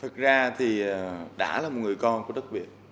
thật ra thì đã là một người con của đất việt